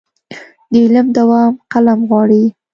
د علم دوام قلم غواړي.